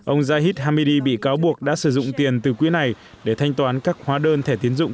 ông jahid hamidi bị cáo buộc đã sử dụng tiền từ quỹ này để thanh toán các hóa đơn thẻ tiến dụng